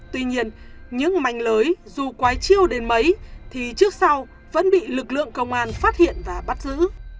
tuy nhiên những mảnh lưới dù quái chiêu đến mấy thì trước sau vẫn bị lực lượng công an phát hiện và bắt giữ